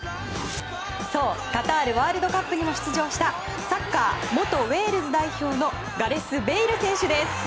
カタールワールドカップにも出場したサッカー元ウェールズ代表のガレス・ベイル選手です。